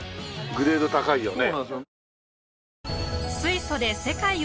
グレード高いよね。